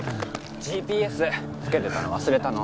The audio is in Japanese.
ＧＰＳ付けてたの忘れたの？